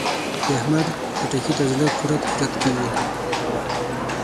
د احمد؛ خټکي ته زړه کورت کورت کېږي.